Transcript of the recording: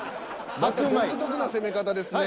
また独特な攻め方ですね。